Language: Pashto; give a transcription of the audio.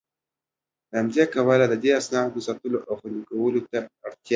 له همدي کبله د دې اسنادو د ساتلو او خوندي کولو ته اړتيا